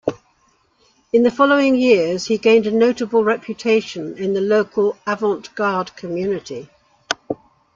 In the following years, he gained a notable reputation in the local avant-garde community.